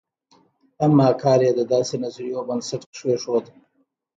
اما کار یې د داسې نظریو بنسټ کېښود.